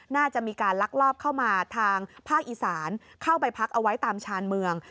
น่าจะมีการลักลอบเข้ามาทางภาคอีสานเข้าไปพักเอาไว้ตามชานเมือง